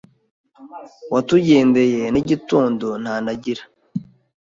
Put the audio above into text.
Watugendeye n'igitondo Ntanagira